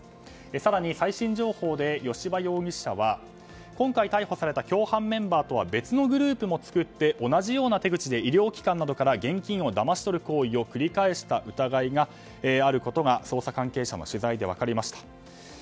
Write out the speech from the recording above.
更に最新情報で吉羽容疑者は今回逮捕された共犯メンバーとは別のグループを作って同じような手口で医療機関などから現金をだまし取る行為を繰り返した疑いがあることが捜査関係者の取材で分かりました。